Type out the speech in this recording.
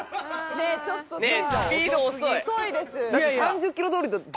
ちょっとさ！